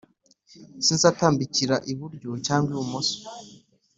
Sinzatambikira iburyo cyangwa ibumoso.